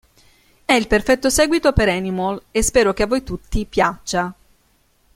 È il perfetto seguito per "Animal" e spero che a voi tutti piaccia.